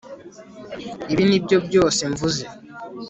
Ibi nibyo byose mvuze